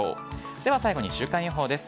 では最後に週間予報です。